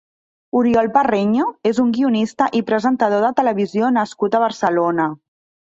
Oriol Parreño és un guionista i presentador de televisió nascut a Barcelona.